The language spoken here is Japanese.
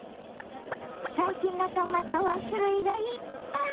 最近のトマトは種類がいっぱい！